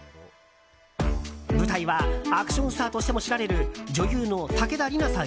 舞台はアクションスターとしても知られる女優の武田梨奈さん